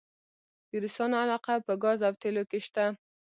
د روسانو علاقه په ګاز او تیلو کې شته؟